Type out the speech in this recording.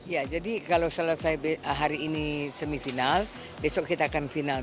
ya jadi kalau selesai hari ini semifinal besok kita akan final